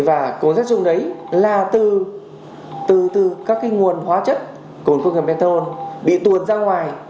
và cồn sắt chủng rẩm đấy là từ các nguồn hóa chất cồn công nghiệp methanol bị tuồn ra ngoài